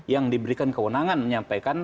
yang diberikan kewenangan menyampaikan